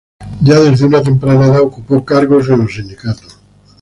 Ya desde una temprana edad ocupó cargos en los sindicatos.